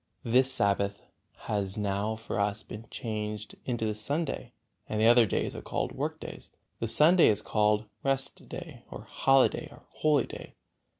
This Sabbath has now for us been changed into the Sunday, and the other days are called work days; the Sunday is called rest day or holiday or holy day.